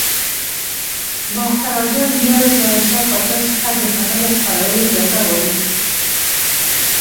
باختر اجان بیا له ظاهر شاه پاچا څخه د خبر خپرولو اجازه غواړي.